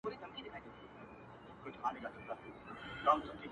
خو د ماشوم په څېر پراته وه ورته زر سوالونه!.